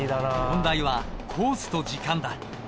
問題はコースと時間だ。